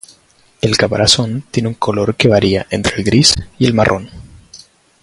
El caparazón tiene un color que varia entre el gris y el marrón.